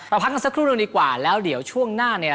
พักกันสักครู่หนึ่งดีกว่าแล้วเดี๋ยวช่วงหน้าเนี่ย